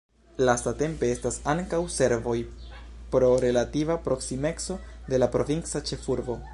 Lastatempe estas ankaŭ servoj pro relativa proksimeco de la provinca ĉefurbo.